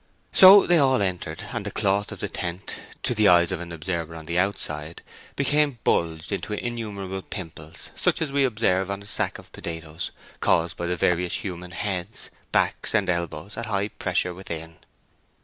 So they all entered, and the cloth of the tent, to the eyes of an observer on the outside, became bulged into innumerable pimples such as we observe on a sack of potatoes, caused by the various human heads, backs, and elbows at high pressure within.